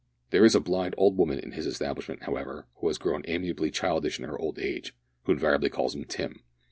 There is a blind old woman in his establishment, however, who has grown amiably childish in her old age, who invariably calls him Tim.